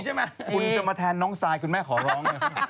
คุณจะมาแทนน้องซายคุณแม่ขอร้องเนี่ย